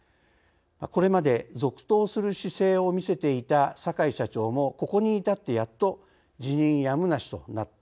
これまで続投する姿勢を見せていた坂井社長もここに至ってやっと辞任やむなしとなったとされています。